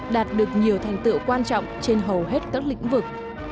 đạt được nhiều thành tựu quan trọng trên hầu hết các lĩnh vực